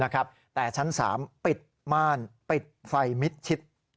แต่ชั้น๓ปิดม่านปิดไฟมิดชิด